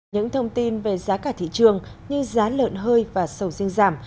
những thông tin về giá cả thị trường như giá lợn hơi và sầu riêng giảm